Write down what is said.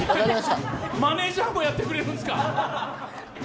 マネージャーもやってくれるんですか？